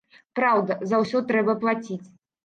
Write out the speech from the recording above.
Праўда, за ўсё трэба плаціць.